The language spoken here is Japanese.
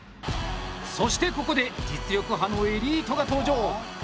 そしてここで実力派のエリートが登場。